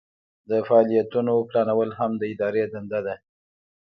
د فعالیتونو پلانول هم د ادارې دنده ده.